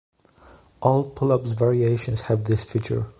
All Pull-ups variations have this feature.